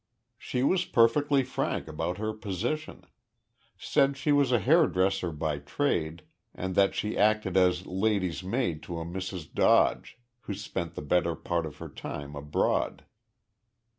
She was perfectly frank about her position. Said she was a hair dresser by trade and that she acted as lady's maid to a Mrs. Dodge, who spent the better part of her time abroad.